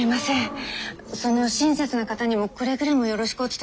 その親切な方にもくれぐれもよろしくお伝えください。